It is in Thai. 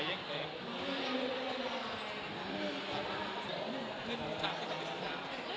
อ๋อแต่เป็นแฟนแล้วนะ